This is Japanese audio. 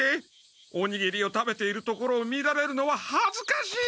おにぎりを食べているところを見られるのははずかしい！